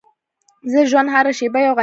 د ژوند هره شېبه یو غنیمت ده.